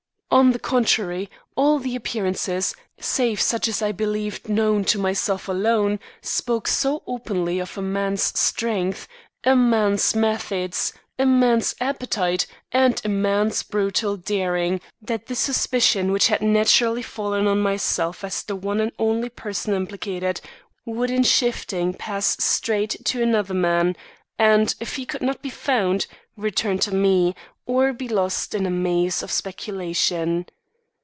On the contrary, all the appearances, save such as I believed known to myself alone, spoke so openly of a man's strength, a man's methods, a man's appetite, and a man's brutal daring that the suspicion which had naturally fallen on myself as the one and only person implicated, would in shifting pass straight to another man, and, if he could not be found, return to me, or be lost in a maze of speculation.